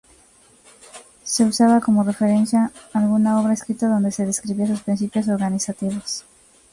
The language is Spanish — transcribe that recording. Se usaba como referencia alguna obra escrito donde se describía su principios organizativos.